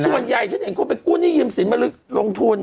ช่วงวันใหญ่ฉันเห็นคนไปกู้หนี้ยืมศิลป์มาลงทุน